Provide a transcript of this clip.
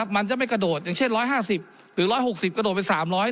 มันจะไม่กระโดดอย่างเช่น๑๕๐หรือ๑๖๐กระโดดไป๓๐๐